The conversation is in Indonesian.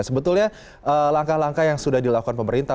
sebetulnya langkah langkah yang sudah dilakukan pemerintah